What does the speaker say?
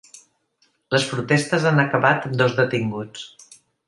Les protestes han acabat amb dos detinguts.